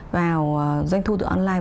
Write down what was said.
vào doanh thu từ online